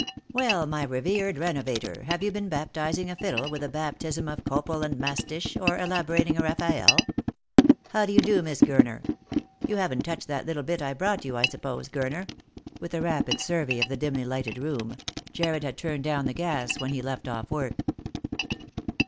" Well, my revered renovator, have you been baptising a fiddle with the baptism of copal and mastich, or elaborating a Raffaelle ? How do you do, Miss Gurner ? You haven't touched that little bit I brought you, I suppose, Gurner ?" with a rapid survey of the dimly lighted room — Jarred had turned down the gas when he left off work.